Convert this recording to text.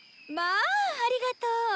まあありがとう！